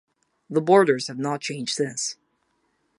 The borders have not changed since.